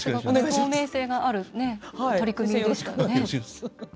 透明性のある取り組みですからね。